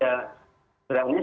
jangan terlalu banyak